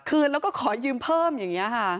คืนแล้วก็ขอยืมเพิ่มอย่างนี้ค่ะ